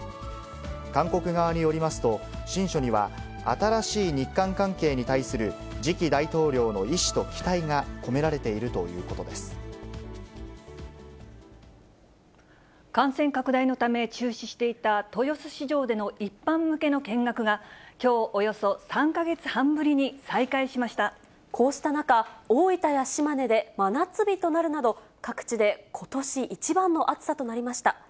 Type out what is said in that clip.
韓国側によりますと、親書には、新しい日韓関係に対する次期大統領の意志と期待が込められている感染拡大のため、中止していた豊洲市場での一般向けの見学が、きょう、およそ３かこうした中、大分や島根で真夏日となるなど、各地でことし一番の暑さとなりました。